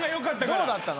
どうだったの？